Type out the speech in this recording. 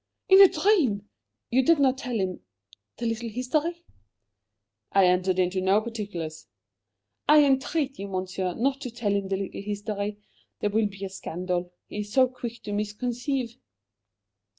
"In a dream! You did not tell him the little history?" "I entered into no particulars." "I entreat you, Monsieur, not to tell him the little history. There will be a scandal; he is so quick to misconceive."